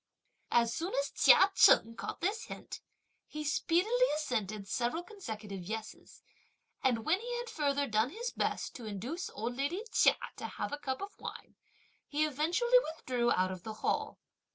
As soon as Chia Cheng caught this hint, he speedily assented several consecutive yes's; and when he had further done his best to induce old lady Chia to have a cup of wine, he eventually withdrew out of the Hall.